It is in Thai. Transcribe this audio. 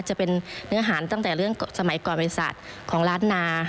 จะเป็นเนื้อหาตั้งแต่เรื่องสมัยก่อนบริษัทของล้านนา